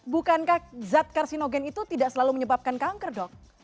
bukankah zat karsinogen itu tidak selalu menyebabkan kanker dok